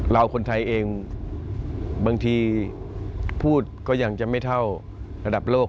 คนไทยเองบางทีพูดก็ยังจะไม่เท่าระดับโลก